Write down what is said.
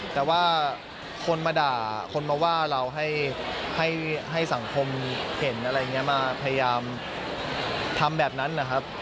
แต่ว่าคนมาด่าคนมาว่าเราให้สังคมเห็นอะไรอย่างนี้มาพยายามทำแบบนั้นนะครับ